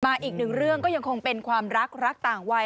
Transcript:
อีกหนึ่งเรื่องก็ยังคงเป็นความรักรักต่างวัย